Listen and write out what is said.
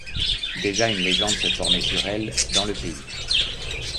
Déjà une légende se formait sur elle, dans le pays.